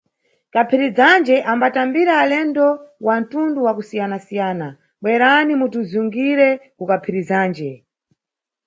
Kaphirizanje ambatambira alendo wa ntundu wa kusiyanasiyana, bweranu mutizungireni kuKaphirizanje.